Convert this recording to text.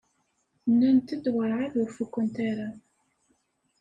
Nnant-d werɛad ur fukent ara.